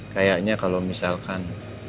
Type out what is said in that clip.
kayaknya kalau misalkan